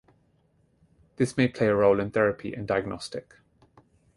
This may play a role in therapy and diagnostic.